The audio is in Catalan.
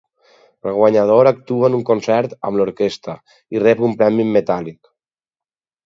El guanyador actua en un concert amb l'orquestra i rep un premi en metàl·lic.